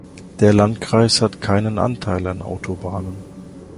Der Landkreis hat keinen Anteil an Autobahnen.